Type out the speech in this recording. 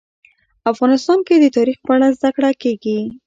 افغانستان کې د تاریخ په اړه زده کړه کېږي.